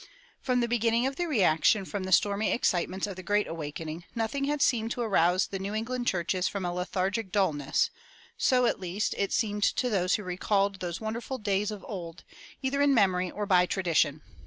From the beginning of the reaction from the stormy excitements of the Great Awakening, nothing had seemed to arouse the New England churches from a lethargic dullness; so, at least, it seemed to those who recalled those wonderful days of old, either in memory or by tradition.